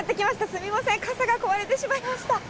すみません、傘が壊れてしまいました。